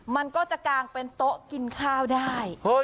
มันก็จะกางเป็นโต๊ะกินข้าวได้